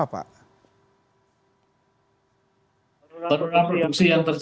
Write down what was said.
karena produksi yang terjadi